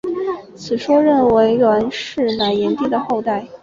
此说认为栾氏乃炎帝的后代。